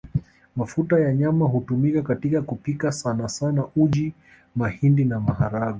Mafuta ya nyama hutumika katika kupika sanasana uji mahindi na maharagwe